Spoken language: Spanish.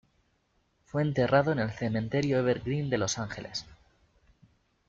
Fue enterrado en el Cementerio Evergreen de Los Ángeles.